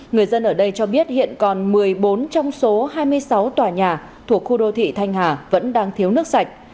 người dân ở đây cho biết hiện còn một mươi bốn trong số hai mươi sáu tòa nhà thuộc khu đô thị thanh hà vẫn đang thiếu nước sạch